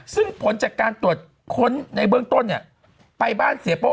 ซึ่งผลจากการตรวจค้นในเบื้องต้นเนี่ยไปบ้านเสียโป้